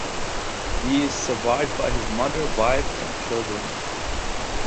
He is survived by his mother, wife and children.